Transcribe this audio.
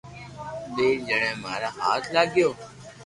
ٻئير جڻي ماري ھاٿ لاگيو